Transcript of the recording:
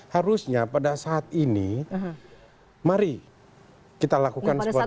harusnya pada saat ini mari kita lakukan seperti ini